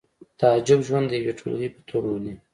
تعجب ژوند د یوې ټولګې په توګه مني